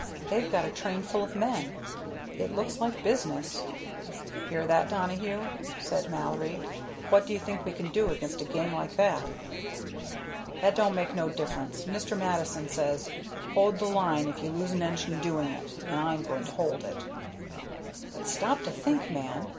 They've got a train full of men. It looks like business." "Hear that, Donohue?" said Mallory. "What do you think we can do against a gang like that?" "That don't make no difference, Mr. Mattison says, 'Hold the line if you lose an engine doing it,' and I'm going to hold it." "But stop to think, man.